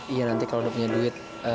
iya nanti kalau udah punya duit